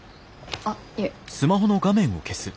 あっいえ。